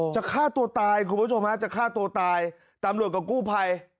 ฆ่าตัวตายคุณผู้ชมฮะจะฆ่าตัวตายตำรวจกับกู้ภัย